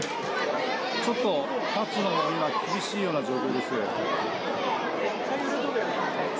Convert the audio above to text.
ちょっと立つのも今、厳しい状況です。